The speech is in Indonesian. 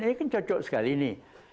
ini kan cocok sekali nih